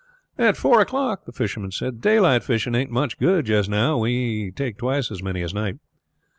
"At four o'clock," the fisherman said. "Daylight fishing ain't much good just now; we take twice as many at night."